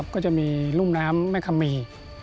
ก็จะมีรุ่มน้ำแม่คำมี